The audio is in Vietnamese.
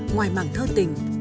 ngoài màng thơ tình